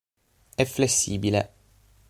È flessibile.